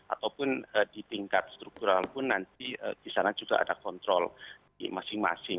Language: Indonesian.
ataupun di tingkat struktural pun nanti di sana juga ada kontrol di masing masing